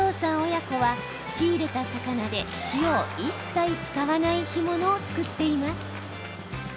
親子は、仕入れた魚で塩を一切使わない干物を作っています。